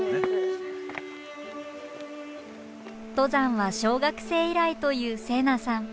登山は小学生以来という星南さん。